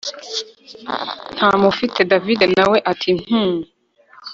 ntamufite david nawe ati hhm